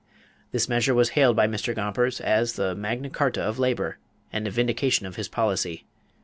This measure was hailed by Mr. Gompers as the "Magna Carta of Labor" and a vindication of his policy.